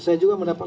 saya juga mendapat